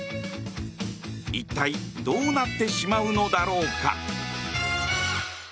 一体どうなってしまうのだろうか。